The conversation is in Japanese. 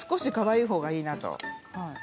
でも少しかわいいほうがいいなと。